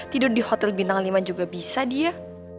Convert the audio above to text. tidur di hotel bintang lima juga bisa dia